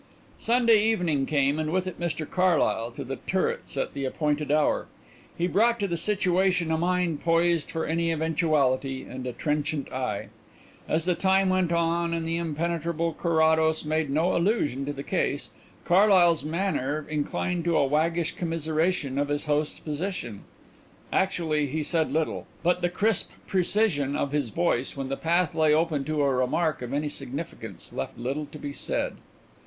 Sunday evening came, and with it Mr Carlyle to The Turrets at the appointed hour. He brought to the situation a mind poised for any eventuality and a trenchant eye. As the time went on and the impenetrable Carrados made no allusion to the case, Carlyle's manner inclined to a waggish commiseration of his host's position. Actually, he said little, but the crisp precision of his voice when the path lay open to a remark of any significance left little to be said.